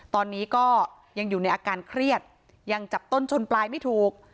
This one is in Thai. ตอนนี้ก็ยังอยู่ในอาการเครียดยังจับต้นชนปลายไม่ถูก